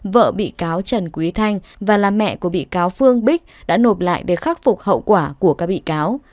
vợ bị cáo trần quý thanh và là mẹ của bị cáo phương bích đã nộp lại để khắc phục hậu quả của các bị cáo